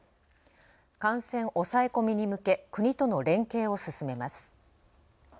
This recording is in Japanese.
感染押さえ込みに向け、国との連携を進めます。